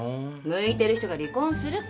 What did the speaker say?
向いてる人が離婚するか？